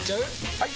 ・はい！